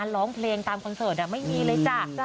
ร้องเพลงกันเลยค่ะ